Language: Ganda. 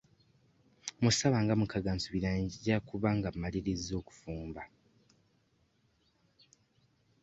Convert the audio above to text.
Mu ssaawa nga mukaaga nsuubira nja kuba nga mmalirizza okufumba.